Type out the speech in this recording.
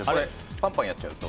パンパンやっちゃうと。